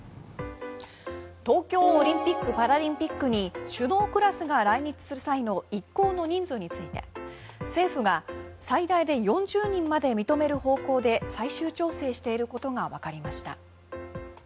東京オリンピック・パラリンピックに首脳クラスが来日する際の一行の人数について政府が最大で４０人まで認める方向で最終調整していることがわかりました。